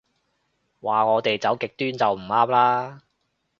話我哋走極端就唔啱啦